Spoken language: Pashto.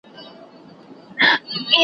چي د آس پر ځای چا خر وي درولی .